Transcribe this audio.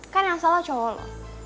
kan yang salah cowok